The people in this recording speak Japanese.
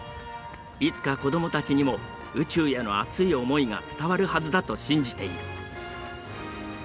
いつか子どもたちにも宇宙への熱い思いが伝わるはずだと信じている。